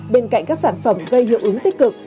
bên cạnh các sản phẩm gây hiệu ứng tích cực